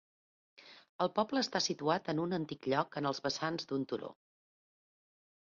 El poble està situat en un antic lloc en els vessants d'un turó.